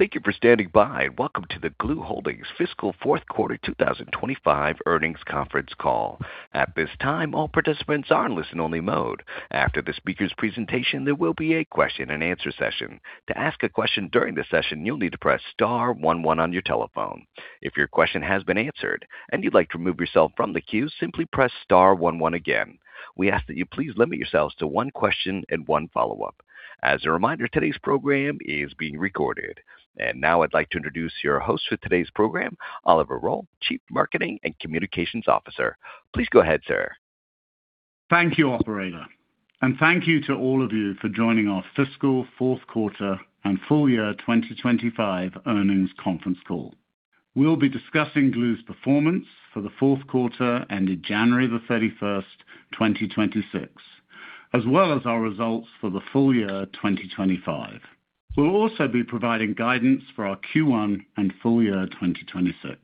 Thank you for standing by, and welcome to the Gloo Holdings Fiscal Q4 2025 Earnings Conference Call. At this time, all participants are in listen-only mode. After the speaker's presentation, there will be a question-and-answer session. To ask a question during the session, you'll need to press star one one on your telephone. If your question has been answered and you'd like to remove yourself from the queue, simply press star one one again. We ask that you please limit yourselves to one question and one follow-up. As a reminder, today's program is being recorded. Now I'd like to introduce your host for today's program, Oliver Roll, Chief Marketing & Communications Officer. Please go ahead, sir. Thank you, operator. Thank you to all of you for joining our fiscal Q4 and full year 2025 earnings conference call. We'll be discussing Gloo's performance for the Q4 ended January the 31st 2026, as well as our results for the full year 2025. We'll also be providing guidance for our Q1 and full year 2026.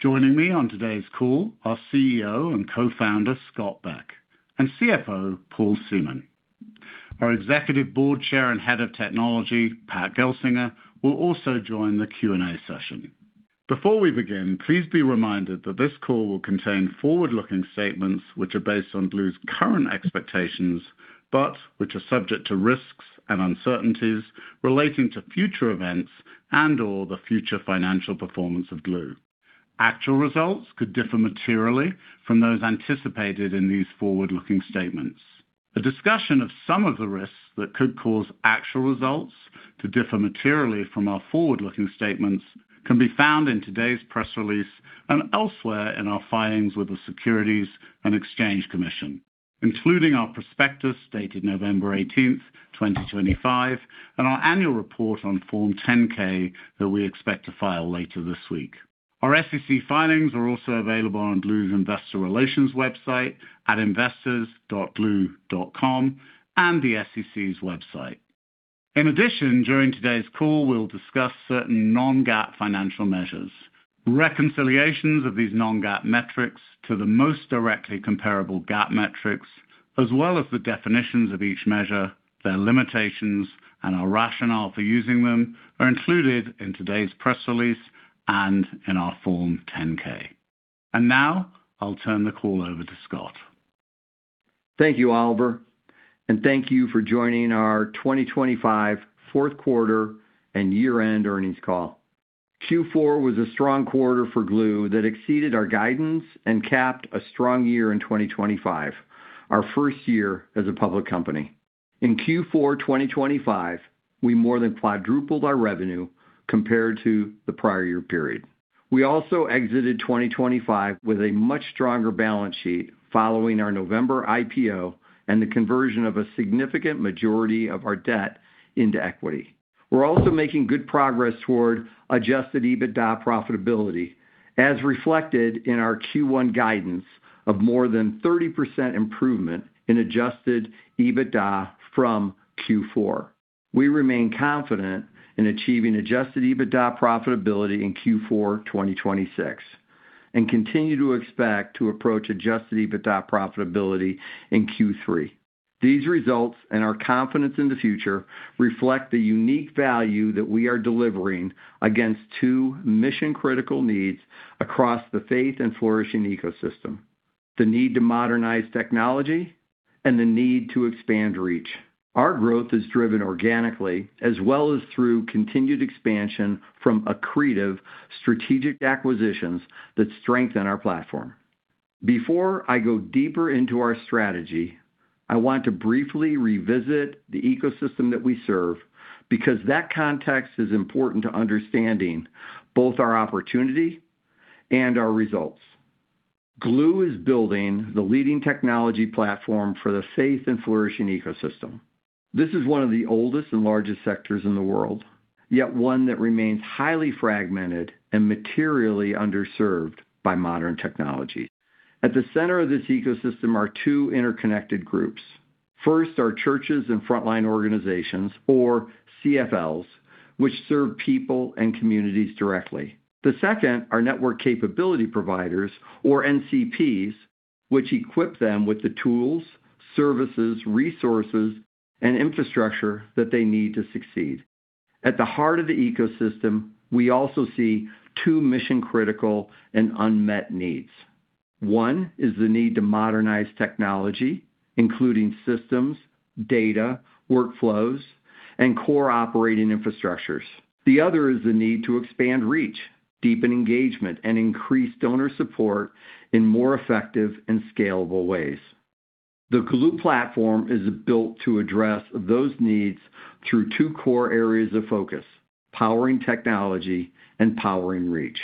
Joining me on today's call, our CEO and Co-Founder, Scott Beck, and CFO, Paul Seamon. Our Executive Board Chair and Head of Technology, Pat Gelsinger, will also join the Q&A session. Before we begin, please be reminded that this call will contain forward-looking statements which are based on Gloo's current expectations, but which are subject to risks and uncertainties relating to future events and/or the future financial performance of Gloo. Actual results could differ materially from those anticipated in these forward-looking statements. A discussion of some of the risks that could cause actual results to differ materially from our forward-looking statements can be found in today's press release and elsewhere in our filings with the Securities and Exchange Commission, including our prospectus dated November 18th, 2025, and our annual report on Form 10-K that we expect to file later this week. Our SEC filings are also available on Gloo's investor relations website at investors.gloo.com and the SEC's website. In addition, during today's call, we'll discuss certain non-GAAP financial measures. Reconciliations of these non-GAAP metrics to the most directly comparable GAAP metrics, as well as the definitions of each measure, their limitations, and our rationale for using them are included in today's press release and in our Form 10-K. Now I'll turn the call over to Scott. Thank you, Oliver. Thank you for joining our 2025 Q4 and year-end earnings call. Q4 was a strong quarter for Gloo that exceeded our guidance and capped a strong year in 2025, our 1st year as a public company. In Q4 2025, we more than quadrupled our revenue compared to the prior year period. We also exited 2025 with a much stronger balance sheet following our November IPO and the conversion of a significant majority of our debt into equity. We're also making good progress toward Adjusted EBITDA profitability, as reflected in our Q1 guidance of more than 30% improvement in Adjusted EBITDA from Q4. We remain confident in achieving Adjusted EBITDA profitability in Q4 2026, and continue to expect to approach Adjusted EBITDA profitability in Q3. These results and our confidence in the future reflect the unique value that we are delivering against two mission-critical needs across the faith and flourishing ecosystem, the need to modernize technology and the need to expand reach. Our growth is driven organically as well as through continued expansion from accretive strategic acquisitions that strengthen our platform. Before I go deeper into our strategy, I want to briefly revisit the ecosystem that we serve, because that context is important to understanding both our opportunity and our results. Gloo is building the leading technology platform for the faith and flourishing ecosystem. This is one of the oldest and largest sectors in the world, yet one that remains highly fragmented and materially underserved by modern technology. At the center of this ecosystem are two interconnected groups. 1st are churches and frontline organizations, or CFLs, which serve people and communities directly. The 2nd are network capability providers, or NCPs, which equip them with the tools, services, resources, and infrastructure that they need to succeed. At the heart of the ecosystem, we also see 2 mission-critical and unmet needs. 1 is the need to modernize technology, including systems, data, workflows, and core operating infrastructures. The other is the need to expand reach, deepen engagement, and increase donor support in more effective and scalable ways. The Gloo platform is built to address those needs through 2 core areas of focus, Powering Technology and Powering Reach.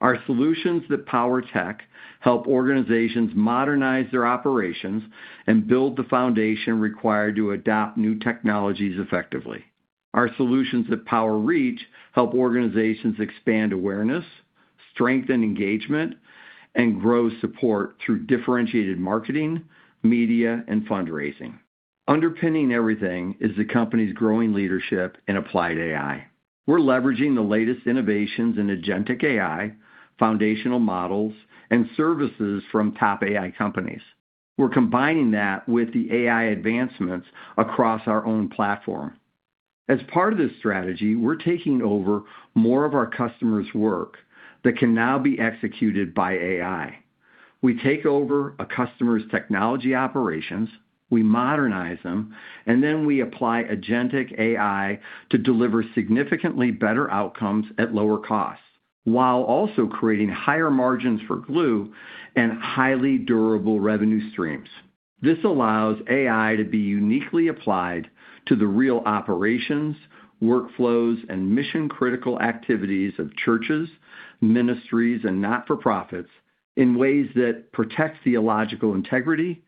Our solutions that power tech help organizations modernize their operations and build the foundation required to adopt new technologies effectively. Our solutions that power reach help organizations expand awareness, strengthen engagement, and grow support through differentiated marketing, media, and fundraising. Underpinning everything is the company's growing leadership in applied AI. We're leveraging the latest innovations in agentic AI, foundational models, and services from top AI companies. We're combining that with the AI advancements across our own platform. As part of this strategy, we're taking over more of our customers' work that can now be executed by AI. We take over a customer's technology operations, we modernize them, and then we apply agentic AI to deliver significantly better outcomes at lower costs, while also creating higher margins for Gloo and highly durable revenue streams. This allows AI to be uniquely applied to the real operations, workflows, and mission-critical activities of churches, ministries, and not-for-profits in ways that protect theological integrity,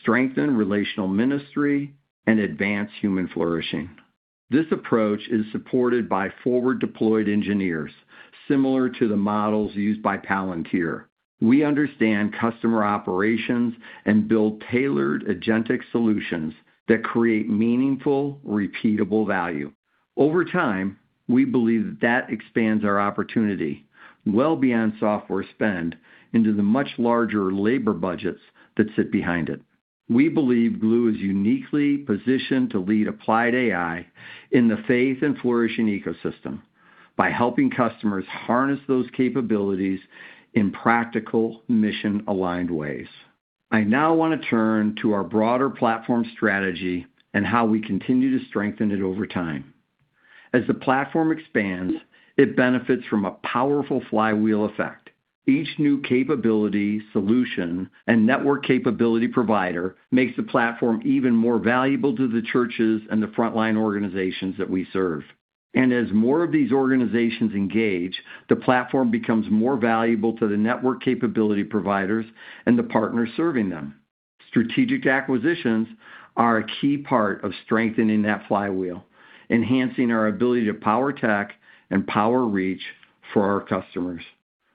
strengthen relational ministry, and advance human flourishing. This approach is supported by forward-deployed engineers, similar to the models used by Palantir. We understand customer operations and build tailored agentic solutions that create meaningful, repeatable value. Over time, we believe that expands our opportunity well beyond software spend into the much larger labor budgets that sit behind it. We believe Gloo is uniquely positioned to lead applied AI in the faith and flourishing ecosystem by helping customers harness those capabilities in practical, mission-aligned ways. I now want to turn to our broader platform strategy and how we continue to strengthen it over time. As the platform expands, it benefits from a powerful flywheel effect. Each new capability, solution, and network capability provider makes the platform even more valuable to the churches and the frontline organizations that we serve. As more of these organizations engage, the platform becomes more valuable to the network capability providers and the partners serving them. Strategic acquisitions are a key part of strengthening that flywheel, enhancing our ability to Power Tech and Power Reach for our customers.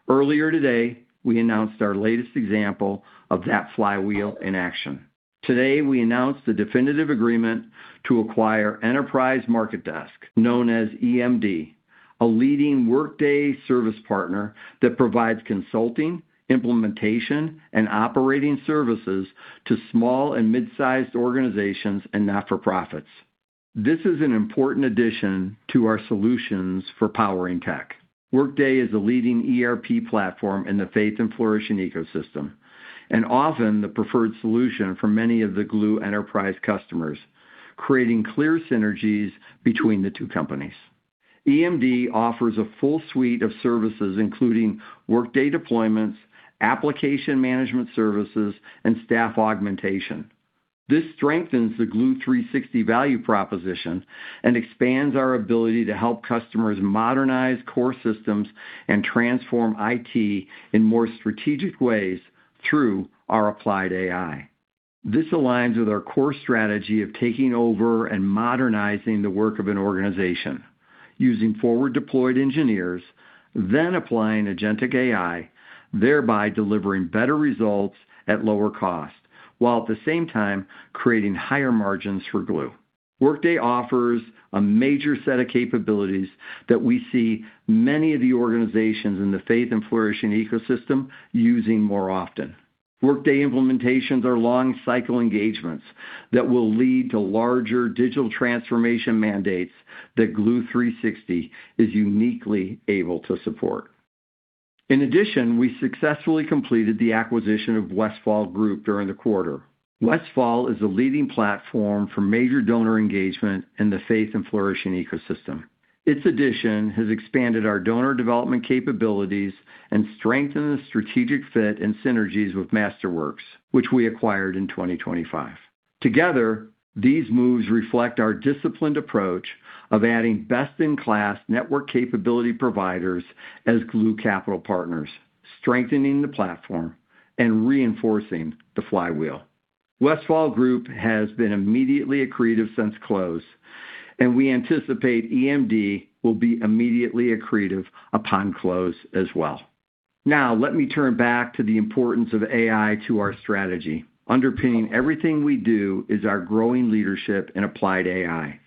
Earlier today, we announced our latest example of that flywheel in action. Today, we announced the definitive agreement to acquire Enterprise MarketDesk, known as EMD, a leading Workday service partner that provides consulting, implementation, and operating services to small and mid-sized organizations and not-for-profits. This is an important addition to our solutions for Powering Tech. Workday is a leading ERP platform in the faith and flourishing ecosystem, and often the preferred solution for many of the Gloo enterprise customers, creating clear synergies between the 2 companies. EMD offers a full suite of services, including Workday deployments, application management services, and staff augmentation. This strengthens the Gloo 360 value proposition and expands our ability to help customers modernize core systems and transform IT in more strategic ways through our applied AI. This aligns with our core strategy of taking over and modernizing the work of an organization, using forward-deployed engineers, then applying agentic AI, thereby delivering better results at lower cost, while at the same time creating higher margins for Gloo. Workday offers a major set of capabilities that we see many of the organizations in the faith and flourishing ecosystem using more often. Workday implementations are long-cycle engagements that will lead to larger digital transformation mandates that Gloo 360 is uniquely able to support. In addition, we successfully completed the acquisition of Westfall Group during the quarter. Westfall is a leading platform for major donor engagement in the faith and flourishing ecosystem. Its addition has expanded our donor development capabilities and strengthened the strategic fit and synergies with Masterworks, which we acquired in 2025. Together, these moves reflect our disciplined approach of adding best-in-class network capability providers as Gloo capital partners, strengthening the platform and reinforcing the flywheel. Westfall Group has been immediately accretive since close, and we anticipate EMD will be immediately accretive upon close as well. Now, let me turn back to the importance of AI to our strategy. Underpinning everything we do is our growing leadership in applied AI.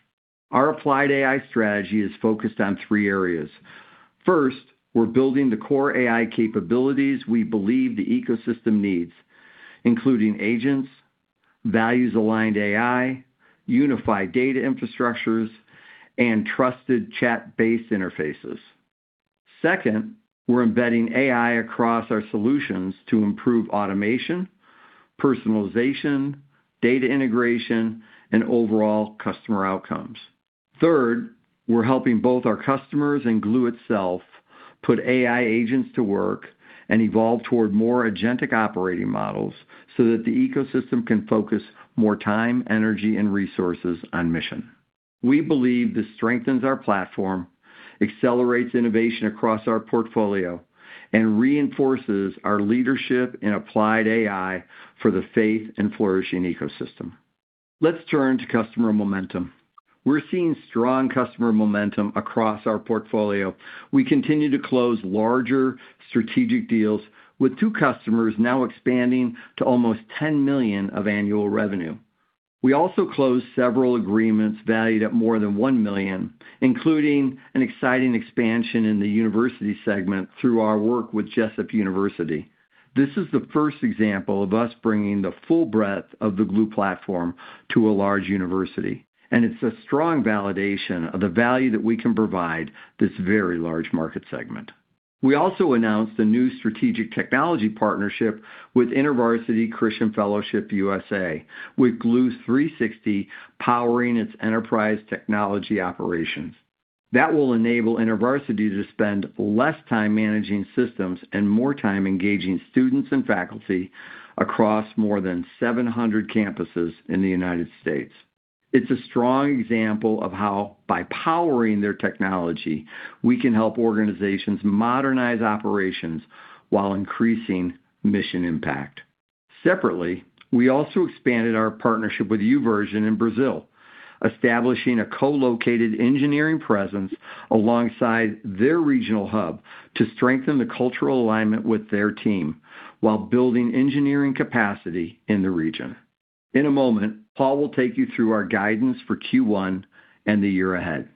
Our applied AI strategy is focused on three areas. 1st, we're building the core AI capabilities we believe the ecosystem needs, including agents, values-aligned AI, unified data infrastructures, and trusted chat-based interfaces. 2nd, we're embedding AI across our solutions to improve automation, personalization, data integration, and overall customer outcomes. 3rd, we're helping both our customers and Gloo itself put AI agents to work and evolve toward more agentic operating models so that the ecosystem can focus more time, energy, and resources on mission. We believe this strengthens our platform, accelerates innovation across our portfolio, and reinforces our leadership in applied AI for the faith and flourishing ecosystem. Let's turn to customer momentum. We're seeing strong customer momentum across our portfolio. We continue to close larger strategic deals with two customers now expanding to almost $10 million of annual revenue. We also closed several agreements valued at more than $1 million, including an exciting expansion in the university segment through our work with Jessup University. This is the 1st example of us bringing the full breadth of the Gloo platform to a large university, and it's a strong validation of the value that we can provide this very large market segment. We also announced a new strategic technology partnership with InterVarsity Christian Fellowship/USA, with Gloo 360 powering its enterprise technology operations. That will enable InterVarsity to spend less time managing systems and more time engaging students and faculty across more than 700 campuses in the United States. It's a strong example of how by powering their technology, we can help organizations modernize operations while increasing mission impact. Separately, we also expanded our partnership with YouVersion in Brazil, establishing a co-located engineering presence alongside their regional hub to strengthen the cultural alignment with their team while building engineering capacity in the region. In a moment, Paul will take you through our guidance for Q1 and the year ahead.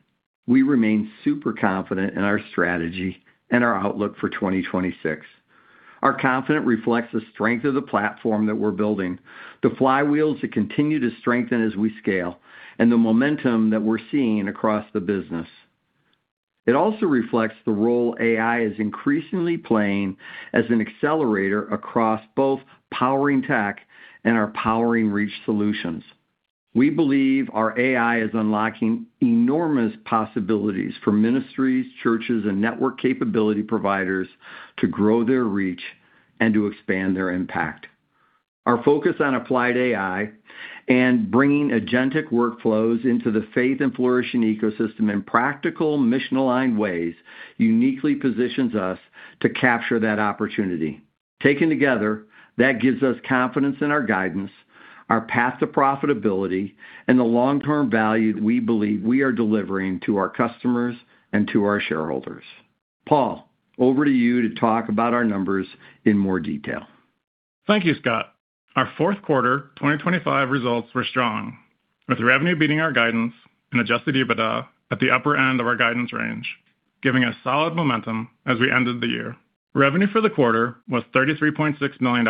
We remain super confident in our strategy and our outlook for 2026. Our confidence reflects the strength of the platform that we're building, the flywheels that continue to strengthen as we scale, and the momentum that we're seeing across the business. It also reflects the role AI is increasingly playing as an accelerator across both Powering Tech and our Powering Reach solutions. We believe our AI is unlocking enormous possibilities for ministries, churches, and network capability providers to grow their reach and to expand their impact. Our focus on applied AI and bringing agentic workflows into the faith and flourishing ecosystem in practical mission-aligned ways uniquely positions us to capture that opportunity. Taken together, that gives us confidence in our guidance, our path to profitability, and the long-term value that we believe we are delivering to our customers and to our shareholders. Paul, over to you to talk about our numbers in more detail. Thank you, Scott. Our Q4 2025 results were strong, with revenue beating our guidance and Adjusted EBITDA at the upper end of our guidance range, giving us solid momentum as we ended the year. Revenue for the quarter was $33.6 million,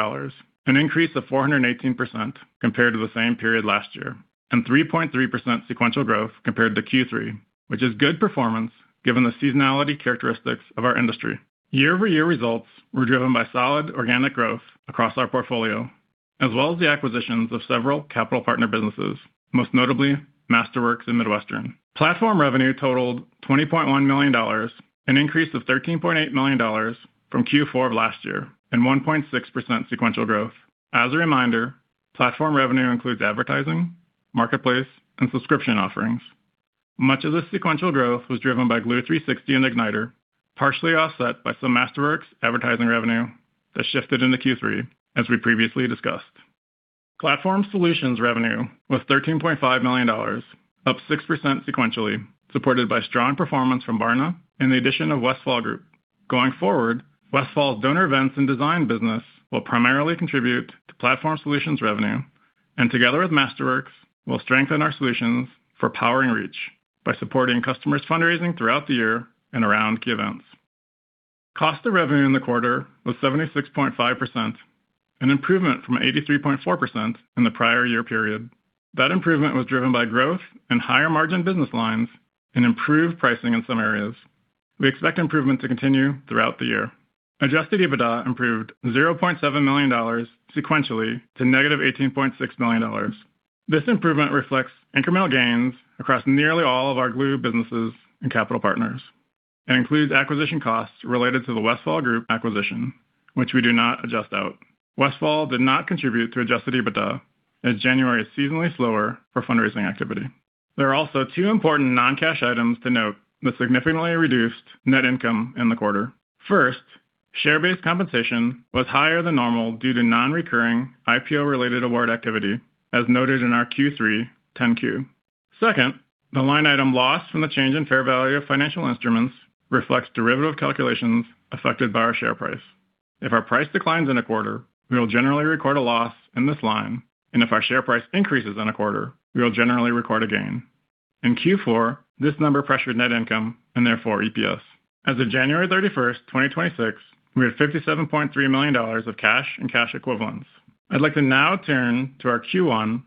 an increase of 418% compared to the same period last year, and 3.3% sequential growth compared to Q3, which is good performance given the seasonality characteristics of our industry. Year-over-year results were driven by solid organic growth across our portfolio, as well as the acquisitions of several capital partner businesses, most notably Masterworks and Midwestern. Platform revenue totaled $20.1 million, an increase of $13.8 million from Q4 of last year and 1.6% sequential growth. As a reminder, Platform revenue includes advertising, marketplace, and subscription offerings. Much of this sequential growth was driven by Gloo 360 and Igniter, partially offset by some Masterworks advertising revenue that shifted into Q3, as we previously discussed. Platform solutions revenue was $13.5 million, up 6% sequentially, supported by strong performance from Barna and the addition of Westfall Group. Going forward, Westfall's donor events and design business will primarily contribute to platform solutions revenue and, together with Masterworks, will strengthen our solutions for Powering Reach by supporting customers' fundraising throughout the year and around key events. Cost of revenue in the quarter was 76.5%, an improvement from 83.4% in the prior year period. That improvement was driven by growth in higher-margin business lines and improved pricing in some areas. We expect improvement to continue throughout the year. Adjusted EBITDA improved $0.7 million sequentially to -$18.6 million. This improvement reflects incremental gains across nearly all of our Gloo businesses and capital partners and includes acquisition costs related to the Westfall Group acquisition, which we do not adjust out. Westfall did not contribute to Adjusted EBITDA, as January is seasonally slower for fundraising activity. There are also 2 important non-cash items to note that significantly reduced net income in the quarter. 1st, share-based compensation was higher than normal due to non-recurring IPO-related award activity, as noted in our Q3 10-Q. 2nd, the line item loss from the change in fair value of financial instruments reflects derivative calculations affected by our share price. If our price declines in a quarter, we will generally record a loss in this line, and if our share price increases in a quarter, we will generally record a gain. In Q4, this number pressured net income and therefore EPS. As of January 31st, 2026, we had $57.3 million of cash and cash equivalents. I'd like to now turn to our Q1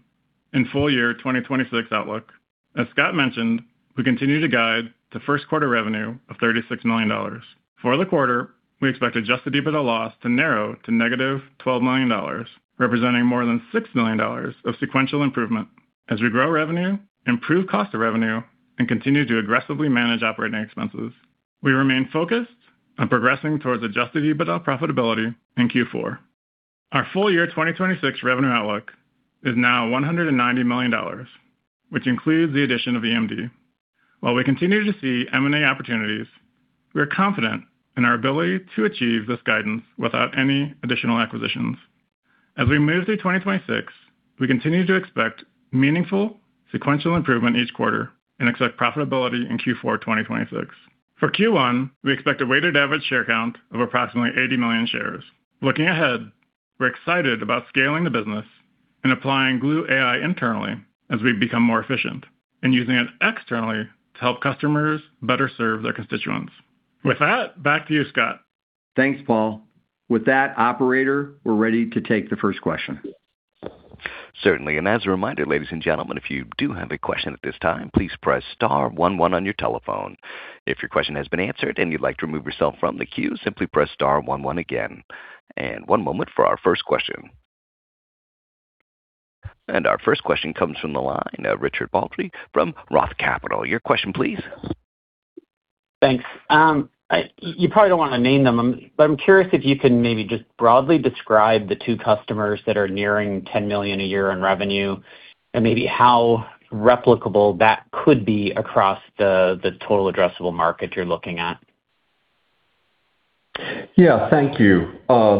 and full year 2026 outlook. As Scott mentioned, we continue to guide to Q1 revenue of $36 million. For the quarter, we expect Adjusted EBITDA loss to narrow to -$12 million, representing more than $6 million of sequential improvement as we grow revenue, improve cost of revenue, and continue to aggressively manage operating expenses. We remain focused on progressing towards Adjusted EBITDA profitability in Q4. Our full year 2026 revenue outlook is now $190 million, which includes the addition of EMD. While we continue to see M&A opportunities, we are confident in our ability to achieve this guidance without any additional acquisitions. As we move through 2026, we continue to expect meaningful sequential improvement each quarter and expect profitability in Q4 2026. For Q1, we expect a weighted average share count of approximately 80 million shares. Looking ahead, we're excited about scaling the business and applying Gloo AI internally as we become more efficient, and using it externally to help customers better serve their constituents. With that, back to you, Scott. Thanks, Paul. With that, Operator, we're ready to take the 1st question. Certainly. As a reminder, ladies and gentlemen, if you do have a question at this time, please press star 1 1 on your telephone. If your question has been answered and you'd like to remove yourself from the queue, simply press star 1 1 again. One moment for our 1st question. Our 1st question comes from the line of Richard Baldry from Roth Capital. Your question, please. Thanks. You probably don't want to name them, but I'm curious if you can maybe just broadly describe the two customers that are nearing $10 million a year in revenue, and maybe how replicable that could be across the total addressable market you're looking at. Yeah. Thank you.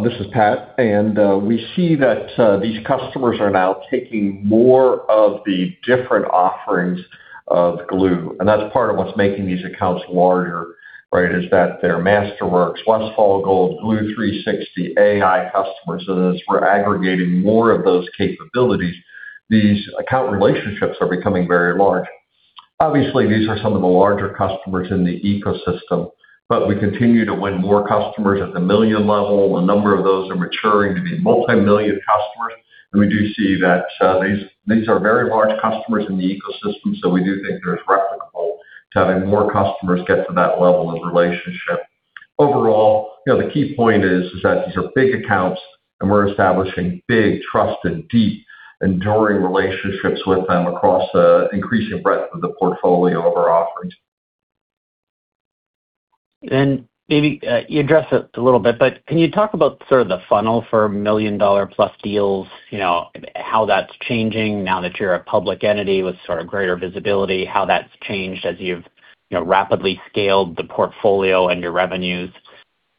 This is Pat. We see that these customers are now taking more of the different offerings of Gloo, and that's part of what's making these accounts larger, right, is that they're Masterworks, Westfall Gold, Gloo 360 AI customers, so that as we're aggregating more of those capabilities, these account relationships are becoming very large. Obviously, these are some of the larger customers in the ecosystem, but we continue to win more customers at the $1 million level. A number of those are maturing to be multi-million customers. We do see that these are very large customers in the ecosystem, so we do think they're replicable to having more customers get to that level of relationship. Overall, the key point is that these are big accounts and we're establishing big trust and deep, enduring relationships with them across an increasing breadth of the portfolio of our offerings. Maybe you addressed it a little bit, but can you talk about sort of the funnel for million-dollar plus deals, how that's changing now that you're a public entity with sort of greater visibility, how that's changed as you've rapidly scaled the portfolio and your revenues?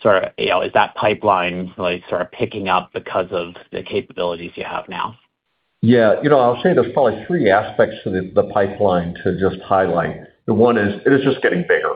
Is that pipeline sort of picking up because of the capabilities you have now? Yeah, I'll say there's probably 3 aspects to the pipeline to just highlight. The one is, it is just getting bigger,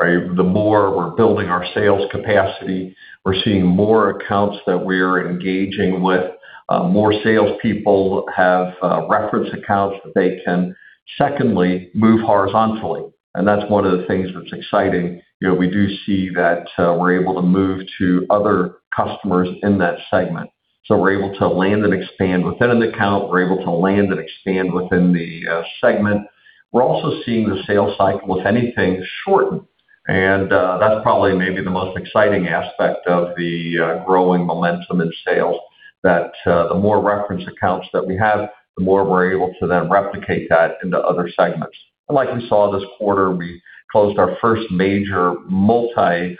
right? The more we're building our sales capacity, we're seeing more accounts that we're engaging with. More salespeople have reference accounts that they can, secondly, move horizontally, and that's one of the things that's exciting. We do see that we're able to move to other customers in that segment. We're able to land and expand within an account. We're able to land and expand within the segment. We're also seeing the sales cycle, if anything, shorten. That's probably maybe the most exciting aspect of the growing momentum in sales, that the more reference accounts that we have, the more we're able to then replicate that into other segments. Like we saw this quarter, we closed our 1st major multi-offering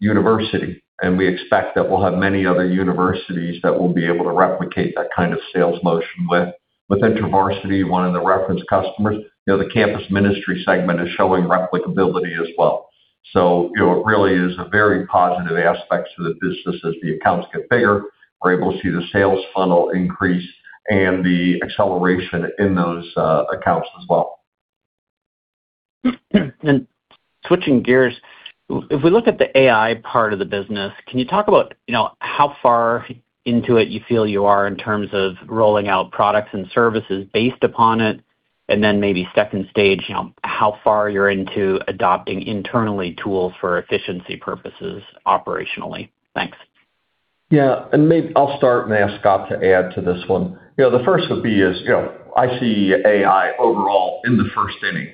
university, and we expect that we'll have many other universities that we'll be able to replicate that kind of sales motion with. With InterVarsity, one of the reference customers, the campus ministry segment is showing replicability as well. It really is a very positive aspect to the business. As the accounts get bigger, we're able to see the sales funnel increase and the acceleration in those accounts as well. Switching gears, if we look at the AI part of the business, can you talk about how far into it you feel you are in terms of rolling out products and services based upon it, and then maybe second stage, how far you're into adopting internally tools for efficiency purposes operationally? Thanks. Yeah. Maybe I'll start and ask Scott to add to this one. The first would be is, I see AI overall in the 1st inning,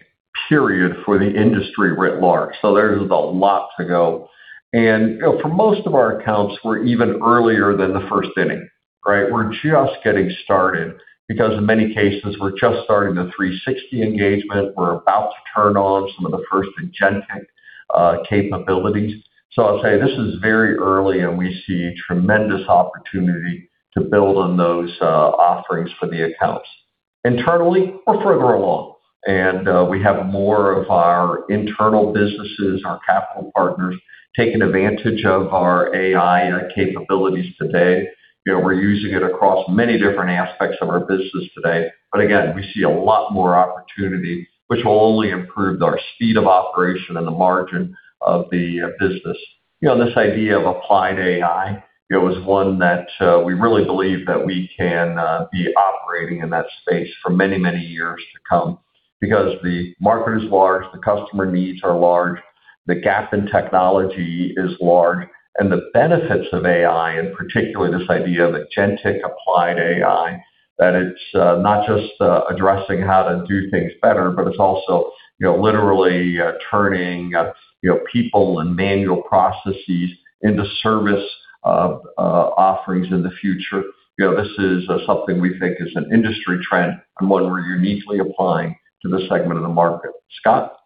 period, for the industry writ large. There's a lot to go. For most of our accounts, we're even earlier than the 1st inning, right? We're just getting started because in many cases, we're just starting the 360 engagement. We're about to turn on some of the first agentic capabilities. I'll say this is very early, and we see tremendous opportunity to build on those offerings for the accounts. Internally, we're further along, and we have more of our internal businesses, our capital partners, taking advantage of our AI and our capabilities today. We're using it across many different aspects of our business today. Again, we see a lot more opportunity, which will only improve our speed of operation and the margin of the business. This idea of applied AI is one that we really believe that we can be operating in that space for many, many years to come because the market is large, the customer needs are large, the gap in technology is large, and the benefits of AI, and particularly this idea of agentic applied AI, that it's not just addressing how to do things better, but it's also literally turning people and manual processes into service offerings in the future. This is something we think is an industry trend and one we're uniquely applying to this segment of the market. Scott?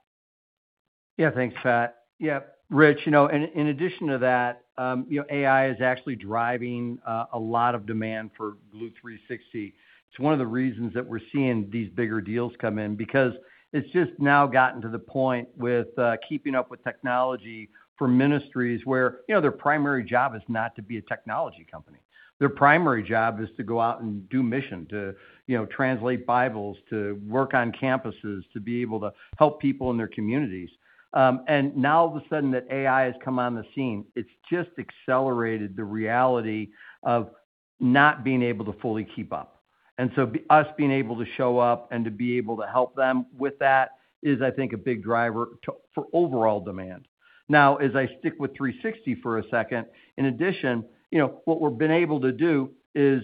Yeah. Thanks, Pat. Yeah. Rich, in addition to that, AI is actually driving a lot of demand for Gloo 360. It's one of the reasons that we're seeing these bigger deals come in, because it's just now gotten to the point with keeping up with technology for ministries where their primary job is not to be a technology company. Their primary job is to go out and do mission, to translate Bibles, to work on campuses, to be able to help people in their communities. Now all of a sudden that AI has come on the scene, it's just accelerated the reality of not being able to fully keep up. Us being able to show up and to be able to help them with that is, I think, a big driver for overall demand. Now, as I stick with 360 for a second, in addition, what we've been able to do is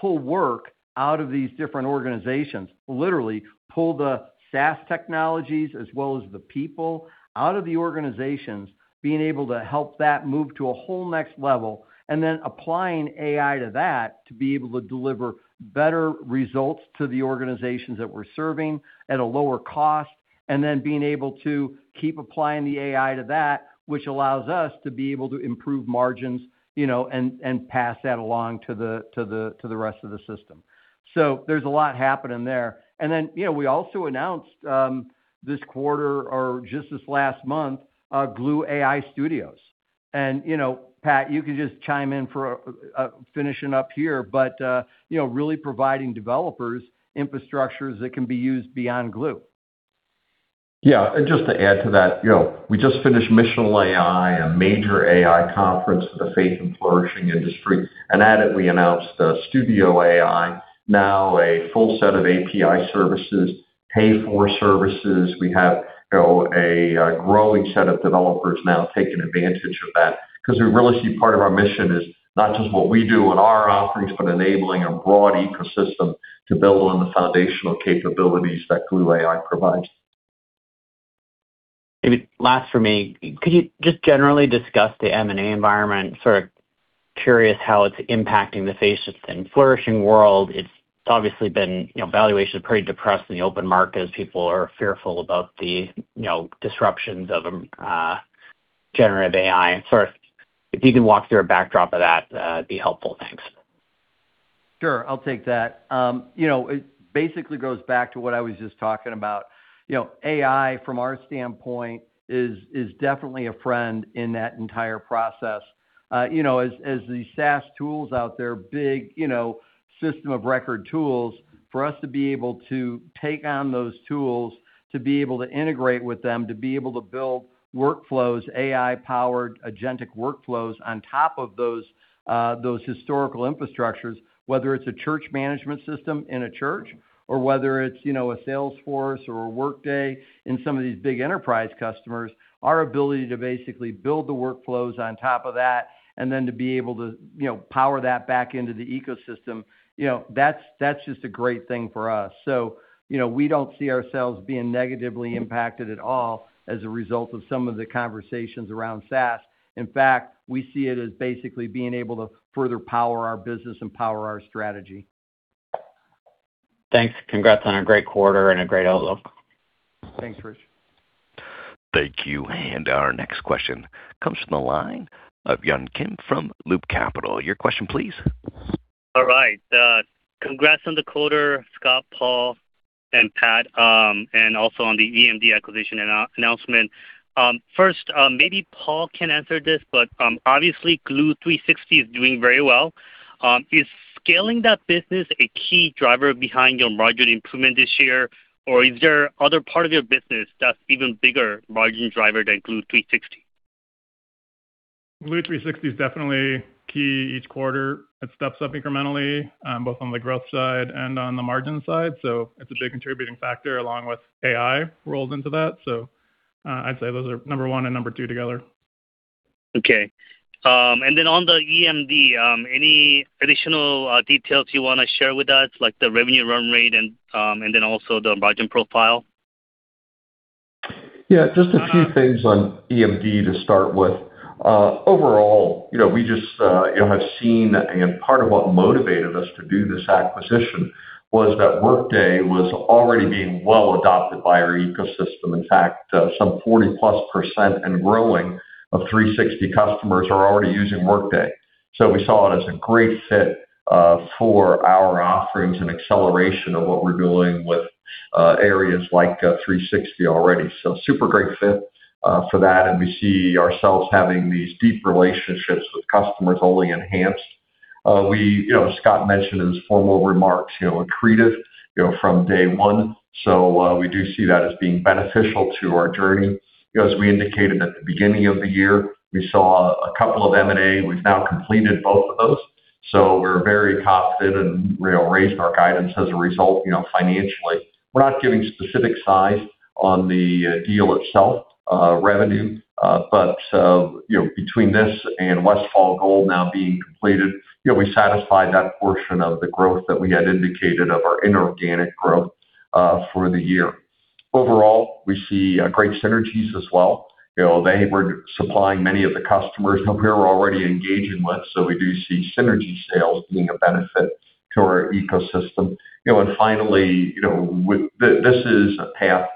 pull work out of these different organizations, literally pull the SaaS technologies as well as the people out of the organizations, being able to help that move to a whole next level, and then applying AI to that to be able to deliver better results to the organizations that we're serving at a lower cost, and then being able to keep applying the AI to that, which allows us to be able to improve margins, and pass that along to the rest of the system. There's a lot happening there. We also announced this quarter, or just this last month, Gloo AI Studio. Pat, you can just chime in for finishing up here, but really providing developers infrastructures that can be used beyond Gloo. Yeah. Just to add to that, we just finished Missional AI, a major AI conference for the faith and flourishing industry. At it, we announced Studio AI, now a full set of API services, pay-for services. We have a growing set of developers now taking advantage of that because we really see part of our mission is not just what we do in our offerings, but enabling a broad ecosystem to build on the foundational capabilities that Gloo AI provides. Maybe last for me, could you just generally discuss the M&A environment? Sort of curious how it's impacting the faith and flourishing world. It's obviously been valuation pretty depressed in the open market as people are fearful about the disruptions of generative AI. Sort of if you can walk through a backdrop of that'd be helpful. Thanks. Sure. I'll take that. It basically goes back to what I was just talking about. AI, from our standpoint, is definitely a friend in that entire process. As the SaaS tools out there, big system of record tools, for us to be able to take on those tools, to be able to integrate with them, to be able to build workflows, AI-powered agentic workflows on top of those historical infrastructures, whether it's a church management system in a church or whether it's a Salesforce or a Workday in some of these big enterprise customers, our ability to basically build the workflows on top of that and then to be able to power that back into the ecosystem, that's just a great thing for us. We don't see ourselves being negatively impacted at all as a result of some of the conversations around SaaS. In fact, we see it as basically being able to further power our business and power our strategy. Thanks. Congrats on a great quarter and a great outlook. Thanks, Rich. Thank you. Our next question comes from the line of Yun Kim from Loop Capital. Your question, please. All right. Congrats on the quarter, Scott, Paul, and Pat, and also on the EMD acquisition announcement. 1st, maybe Paul can answer this, but obviously Gloo 360 is doing very well. Is scaling that business a key driver behind your margin improvement this year, or is there other part of your business that's even bigger margin driver than Gloo 360? Gloo 360 is definitely key each quarter. It steps up incrementally, both on the growth side and on the margin side. It's a big contributing factor along with AI rolled into that. I'd say those are number one and number two together. Okay. On the EMD, any additional details you want to share with us, like the revenue run rate and then also the margin profile? Yeah. Just a few things on EMD to start with. Overall, we just have seen, and part of what motivated us to do this acquisition was that Workday was already being well adopted by our ecosystem. In fact, some 40%+ and growing of 360 customers are already using Workday. We saw it as a great fit for our offerings and acceleration of what we're doing with areas like 360 already. Super great fit for that, and we see ourselves having these deep relationships with customers only enhanced. Scott mentioned in his formal remarks, accretive from day one. We do see that as being beneficial to our journey. As we indicated at the beginning of the year, we saw a couple of M&A. We've now completed both of those, so we're very confident and raised our guidance as a result financially. We're not giving specific size on the deal itself, revenue, but between this and Westfall Gold now being completed, we satisfied that portion of the growth that we had indicated of our inorganic growth for the year. Overall, we see great synergies as well. They were supplying many of the customers who we were already engaging with, so we do see synergy sales being a benefit to our ecosystem. Finally, this is a path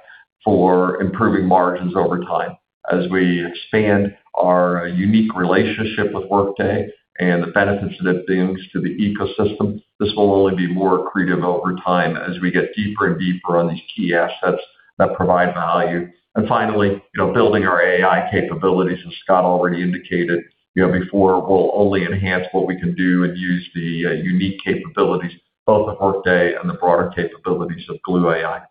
for improving margins over time as we expand our unique relationship with Workday and the benefits that it brings to the ecosystem. This will only be more accretive over time as we get deeper and deeper on these key assets that provide value. Finally, building our AI capabilities, as Scott already indicated before, will only enhance what we can do and use the unique capabilities, both of Workday and the broader capabilities of Gloo AI.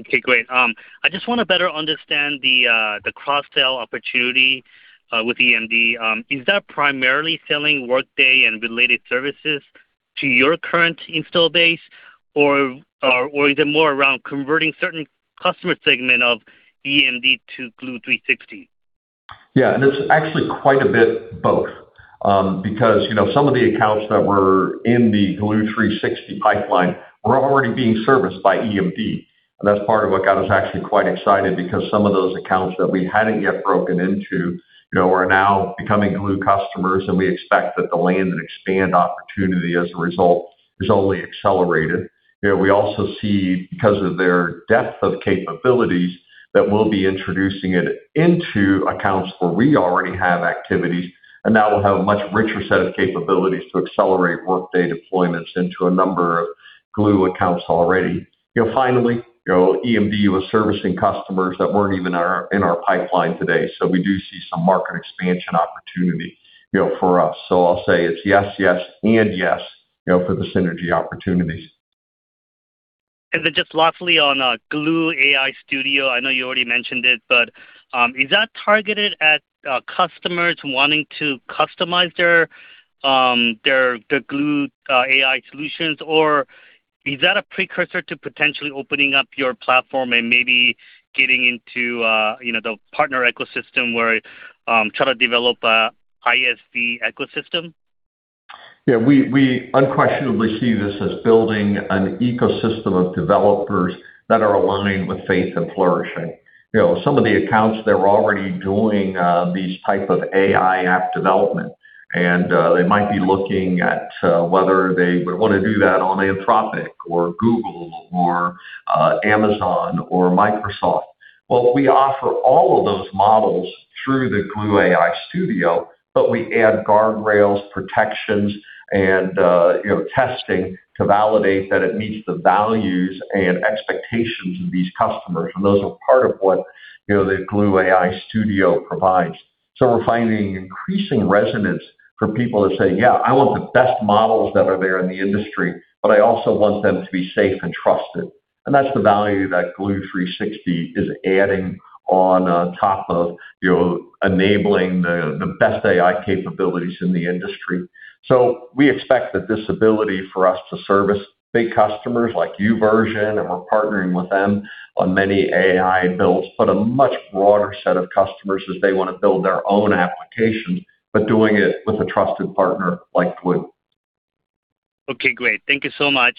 Okay, great. I just want to better understand the cross-sell opportunity with EMD. Is that primarily selling Workday and related services to your current install base, or is it more around converting certain customer segment of EMD to Gloo 360? Yeah, it's actually quite a bit both because some of the accounts that were in the Gloo 360 pipeline were already being serviced by EMD. That's part of what got us actually quite excited because some of those accounts that we hadn't yet broken into are now becoming Gloo customers, and we expect that the land and expand opportunity as a result has only accelerated. We also see, because of their depth of capabilities, that we'll be introducing it into accounts where we already have activity, and now we'll have a much richer set of capabilities to accelerate Workday deployments into a number of Gloo accounts already. Finally, EMD was servicing customers that weren't even in our pipeline today. We do see some market expansion opportunity for us. I'll say it's yes, and yes, for the synergy opportunities. Just lastly on Gloo AI Studio, I know you already mentioned it. Is that targeted at customers wanting to customize their Gloo AI solutions? Is that a precursor to potentially opening up your platform and maybe getting into the partner ecosystem where try to develop an ISV ecosystem? Yeah, we unquestionably see this as building an ecosystem of developers that are aligned with faith and flourishing. Some of the accounts that were already doing these type of AI app development, and they might be looking at whether they would want to do that on Anthropic or Google or Amazon or Microsoft. Well, we offer all of those models through the Gloo AI Studio, but we add guardrails, protections, and testing to validate that it meets the values and expectations of these customers. Those are part of what the Gloo AI Studio provides. We're finding increasing resonance from people that say, "Yeah, I want the best models that are there in the industry, but I also want them to be safe and trusted." That's the value that Gloo 360 is adding on top of enabling the best AI capabilities in the industry. We expect that this ability for us to service big customers like YouVersion, and we're partnering with them on many AI builds, but a much broader set of customers as they want to build their own applications, but doing it with a trusted partner like Gloo. Okay, great. Thank you so much.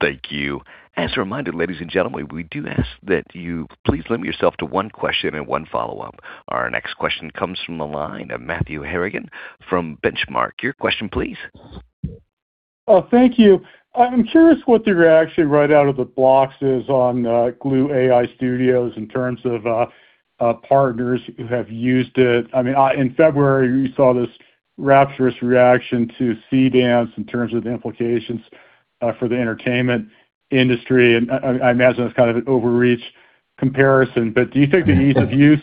Thank you. As a reminder, ladies and gentlemen, we do ask that you please limit yourself to one question and one follow-up. Our next question comes from the line of Matthew Harrigan from Benchmark. Your question, please. Thank you. I'm curious what the reaction right out of the blocks is on Gloo AI Studio in terms of partners who have used it. In February, we saw this rapturous reaction to Sora in terms of the implications for the entertainment industry, and I imagine that's kind of an overreach comparison. Do you think the ease of use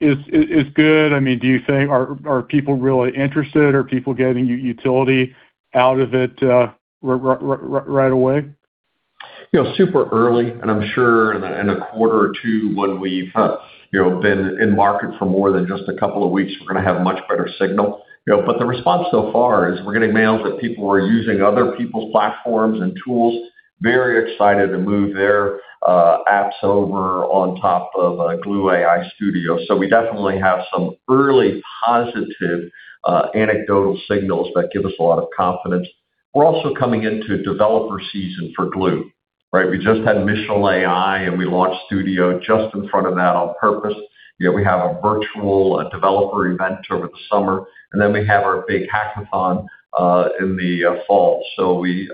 is good? Are people really interested? Are people getting utility out of it right away? Super early, and I'm sure in a quarter or 2 when we've been in market for more than just a couple of weeks, we're going to have a much better signal. The response so far is we're getting emails that people who are using other people's platforms and tools, very excited to move their apps over on top of Gloo AI Studio. We definitely have some early positive anecdotal signals that give us a lot of confidence. We're also coming into developer season for Gloo, right? We just had Missional AI, and we launched Studio just in front of that on purpose. We have a virtual developer event over the summer, and then we have our big hackathon in the fall.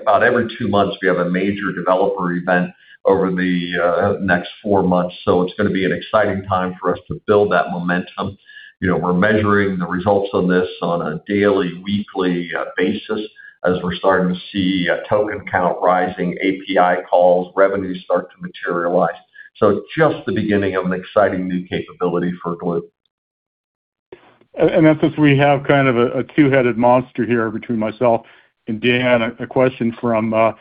About every two months, we have a major developer event over the next four months. It's going to be an exciting time for us to build that momentum. We're measuring the results on this on a daily, weekly basis as we're starting to see token count rising, API calls, revenues start to materialize, just the beginning of an exciting new capability for Gloo. Since we have kind of a two-headed monster here between myself and Dan, a question from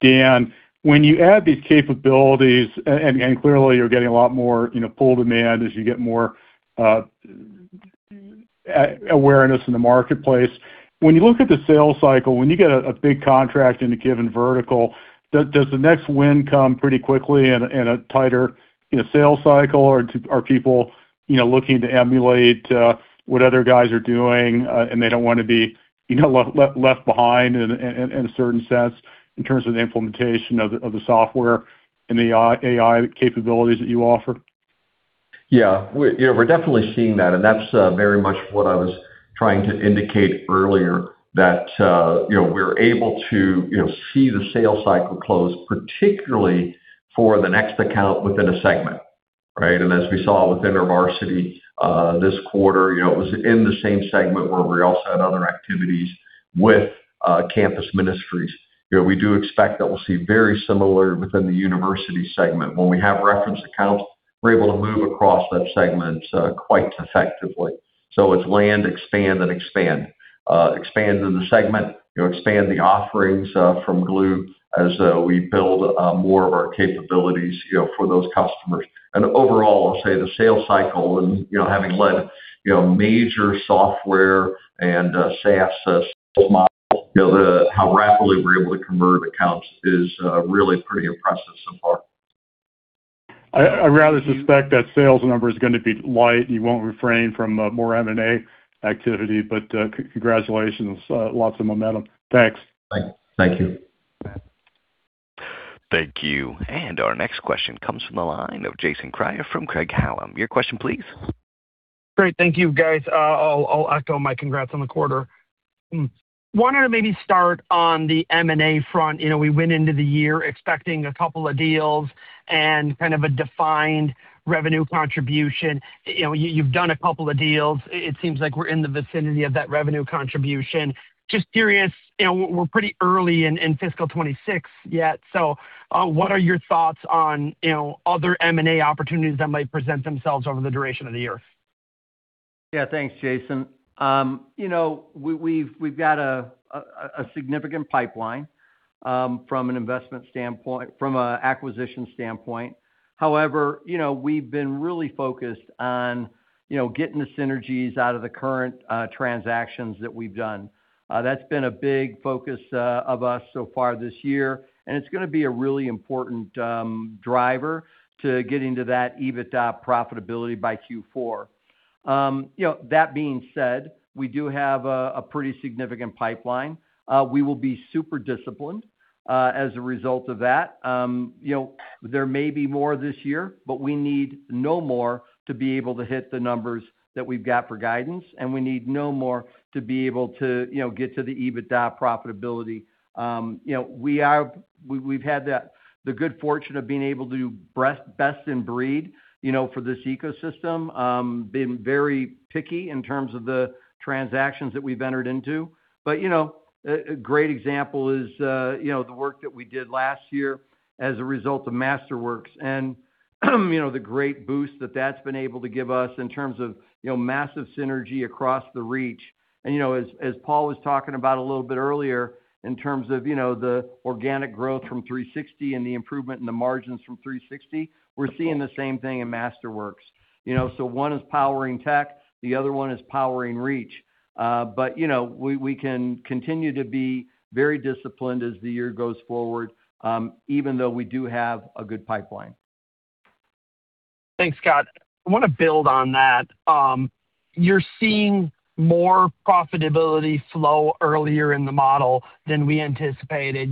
Dan. When you add these capabilities, and clearly you're getting a lot more pull demand as you get more awareness in the marketplace, when you look at the sales cycle, when you get a big contract in a given vertical, does the next win come pretty quickly in a tighter sales cycle? Are people looking to emulate what other guys are doing, and they don't want to be left behind in a certain sense in terms of the implementation of the software and the AI capabilities that you offer? Yeah. We're definitely seeing that, and that's very much what I was trying to indicate earlier, that we're able to see the sales cycle close, particularly for the next account within a segment, right? As we saw with InterVarsity this quarter, it was in the same segment where we also had other activities with campus ministries. We do expect that we'll see very similar within the university segment. When we have reference accounts, we're able to move across those segments quite effectively. It's land, expand, and expand. Expand in the segment, expand the offerings from Gloo as we build more of our capabilities for those customers. Overall, I'll say the sales cycle and having led major software and SaaS sales models, how rapidly we're able to convert accounts is really pretty impressive so far. I rather suspect that sales number is going to be light. You won't refrain from more M&A activity. Congratulations. Lots of momentum. Thanks. Thank you. Thank you. Our next question comes from the line of Jason Kreyer from Craig-Hallum. Your question, please. Great. Thank you, guys. I'll echo my congrats on the quarter. I wanted to maybe start on the M&A front. We went into the year expecting a couple of deals and kind of a defined revenue contribution. You've done a couple of deals. It seems like we're in the vicinity of that revenue contribution. Just curious, we're pretty early in fiscal 2026 yet. What are your thoughts on other M&A opportunities that might present themselves over the duration of the year? Yeah. Thanks, Jason. We've got a significant pipeline from an acquisition standpoint. However, we've been really focused on getting the synergies out of the current transactions that we've done. That's been a big focus of us so far this year, and it's going to be a really important driver to getting to that EBITDA profitability by Q4. That being said, we do have a pretty significant pipeline. We will be super disciplined as a result of that. There may be more this year, but we need no more to be able to hit the numbers that we've got for guidance, and we need no more to be able to get to the EBITDA profitability. We've had the good fortune of being able to do best in breed for this ecosystem. We've been very picky in terms of the transactions that we've entered into. A great example is the work that we did last year as a result of Masterworks and the great boost that that's been able to give us in terms of massive synergy across the reach. As Paul was talking about a little bit earlier in terms of the organic growth from 360 and the improvement in the margins from 360, we're seeing the same thing in Masterworks. One is Powering Tech, the other one is Powering Reach. We can continue to be very disciplined as the year goes forward, even though we do have a good pipeline. Thanks, Scott. I want to build on that. You're seeing more profitability flow earlier in the model than we anticipated.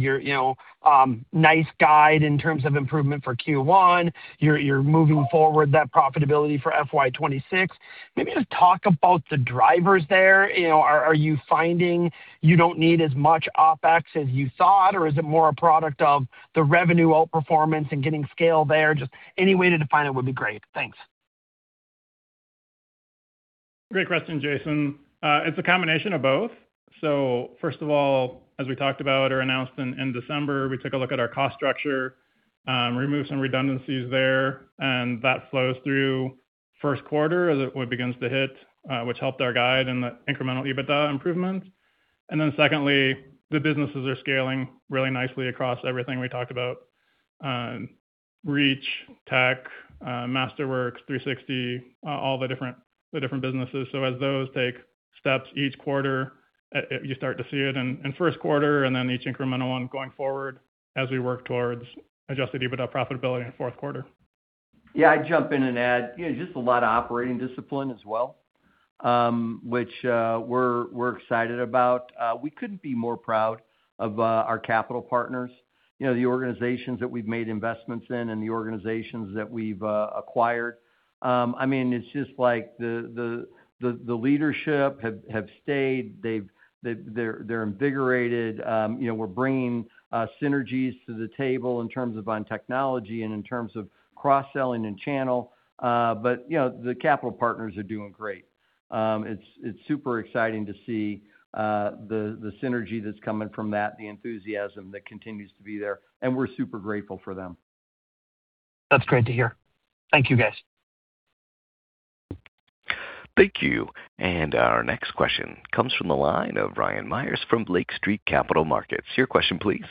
Nice guide in terms of improvement for Q1. You're moving forward that profitability for FY 2026. Maybe just talk about the drivers there. Are you finding you don't need as much OpEx as you thought, or is it more a product of the revenue outperformance and getting scale there? Just any way to define it would be great. Thanks. Great question, Jason. It's a combination of both. First of all, as we talked about or announced in December, we took a look at our cost structure, removed some redundancies there, and that flows through Q1 as it begins to hit, which helped our guide and the incremental EBITDA improvements. Secondly, the businesses are scaling really nicely across everything we talked about, Reach, Tech, Masterworks, 360, all the different businesses. As those take steps each quarter, you start to see it in Q1, and then each incremental one going forward as we work towards Adjusted EBITDA profitability in the Q4. Yeah, I'd jump in and add, just a lot of operating discipline as well, which we're excited about. We couldn't be more proud of our capital partners, the organizations that we've made investments in, and the organizations that we've acquired. It's just like the leadership have stayed. They're invigorated. We're bringing synergies to the table in terms of on technology and in terms of cross-selling and channel. The capital partners are doing great. It's super exciting to see the synergy that's coming from that, the enthusiasm that continues to be there, and we're super grateful for them. That's great to hear. Thank you, guys. Thank you. Our next question comes from the line of Ryan Meyers from Lake Street Capital Markets. Your question please.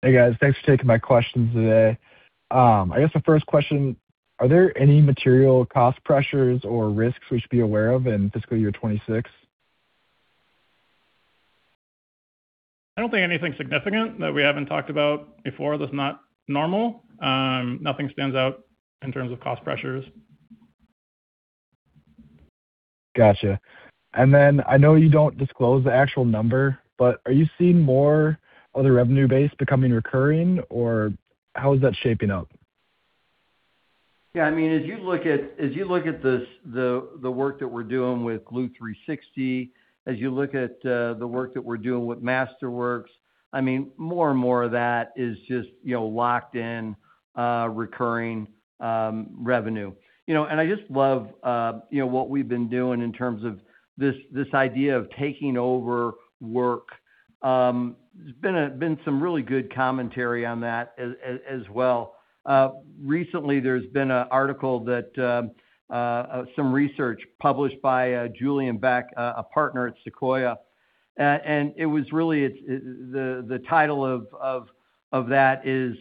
Hey, guys. Thanks for taking my questions today. I guess the 1st question, are there any material cost pressures or risks we should be aware of in fiscal year 2026? I don't think anything significant that we haven't talked about before that's not normal. Nothing stands out in terms of cost pressures. Got you. I know you don't disclose the actual number, but are you seeing more of the revenue base becoming recurring, or how is that shaping up? Yeah, as you look at the work that we're doing with Gloo 360, as you look at the work that we're doing with Masterworks, more and more of that is just locked in recurring revenue. I just love what we've been doing in terms of this idea of taking over work. There's been some really good commentary on that as well. Recently, there's been an article, some research published by Julien Bek, a Partner at Sequoia. The title of that is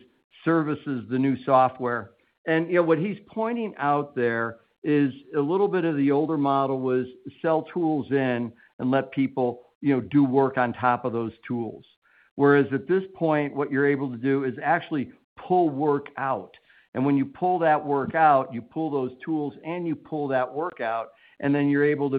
"Service Is The New Software." What he's pointing out there is a little bit of the older model was sell tools in and let people do work on top of those tools. Whereas at this point, what you're able to do is actually pull work out. When you pull those tools and you pull that work out, then you're able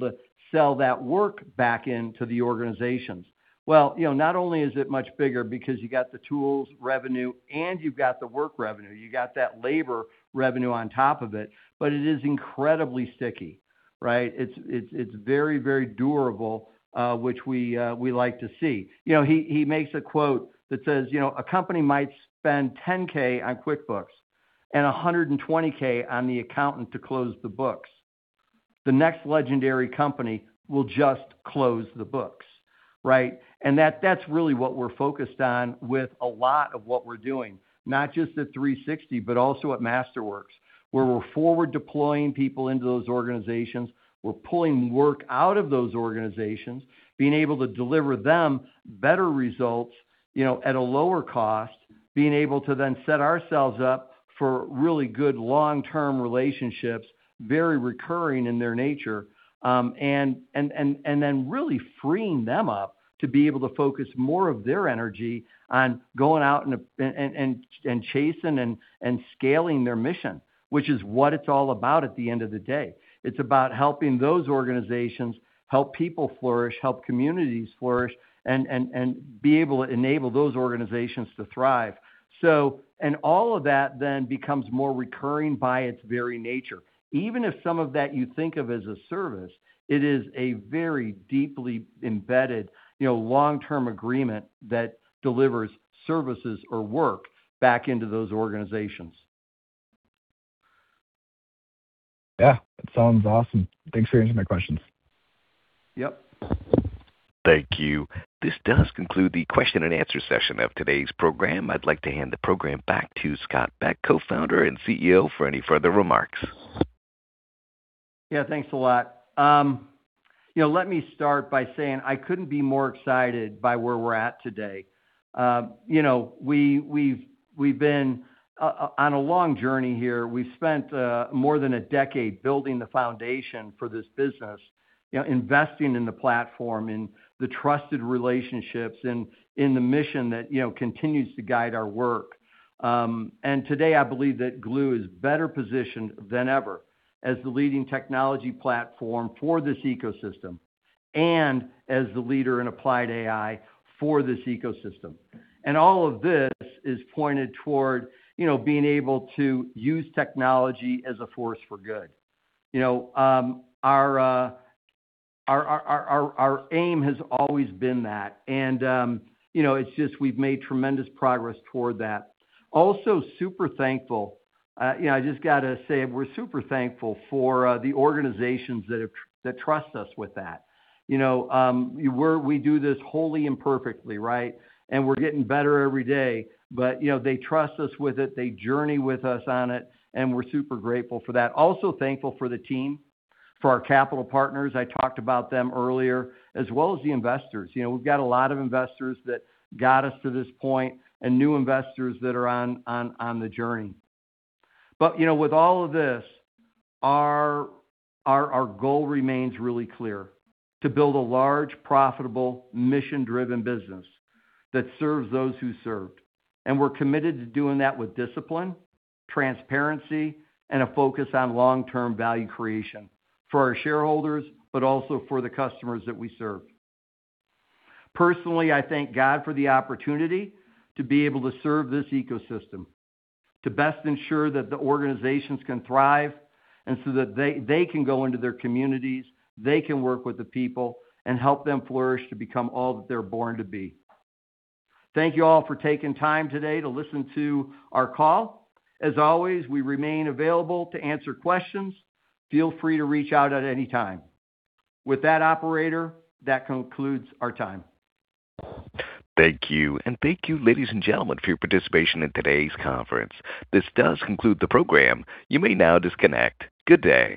to sell that work back into the organizations. Well, not only is it much bigger because you got the tools revenue and you've got the work revenue, you got that labor revenue on top of it, but it is incredibly sticky, right? It's very, very durable, which we like to see. He makes a quote that says, "A company might spend $10,000 on QuickBooks and $120,000 on the accountant to close the books. The next legendary company will just close the books." Right? That's really what we're focused on with a lot of what we're doing, not just at 360, but also at Masterworks, where we're forward deploying people into those organizations. We're pulling work out of those organizations, being able to deliver them better results at a lower cost, being able to then set ourselves up for really good long-term relationships, very recurring in their nature, and then really freeing them up to be able to focus more of their energy on going out and chasing and scaling their mission, which is what it's all about at the end of the day. It's about helping those organizations help people flourish, help communities flourish, and be able to enable those organizations to thrive. All of that then becomes more recurring by its very nature. Even if some of that you think of as a service, it is a very deeply embedded long-term agreement that delivers services or work back into those organizations. Yeah, that sounds awesome. Thanks for answering my questions. Yep. Thank you. This does conclude the question and answer session of today's program. I'd like to hand the program back to Scott Beck, Co-Founder and CEO, for any further remarks. Yeah, thanks a lot. Let me start by saying I couldn't be more excited by where we're at today. We've been on a long journey here. We've spent more than a decade building the foundation for this business, investing in the platform, in the trusted relationships, and in the mission that continues to guide our work. Today, I believe that Gloo is better positioned than ever as the leading technology platform for this ecosystem and as the leader in applied AI for this ecosystem. All of this is pointed toward being able to use technology as a force for good. Our aim has always been that, and it's just we've made tremendous progress toward that. Also, super thankful, I just got to say, we're super thankful for the organizations that trust us with that. We do this wholly imperfectly, right? We're getting better every day. They trust us with it, they journey with us on it, and we're super grateful for that. We're also thankful for the team, for our capital partners, I talked about them earlier, as well as the investors. We've got a lot of investors that got us to this point and new investors that are on the journey. With all of this, our goal remains really clear, to build a large, profitable, mission-driven business that serves those who served. We're committed to doing that with discipline, transparency, and a focus on long-term value creation for our shareholders, but also for the customers that we serve. Personally, I thank God for the opportunity to be able to serve this ecosystem, to best ensure that the organizations can thrive, and so that they can go into their communities, they can work with the people, and help them flourish to become all that they're born to be. Thank you all for taking time today to listen to our call. As always, we remain available to answer questions. Feel free to reach out at any time. With that, Operator, that concludes our time. Thank you. Thank you, ladies and gentlemen, for your participation in today's conference. This does conclude the program. You may now disconnect. Good day.